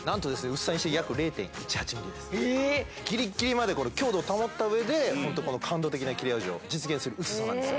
薄さにして約０．１８ｍｍですええギリギリまでこれ強度を保った上でホントこの感動的な切れ味を実現する薄さなんですよ